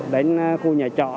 đến khu nhà trọ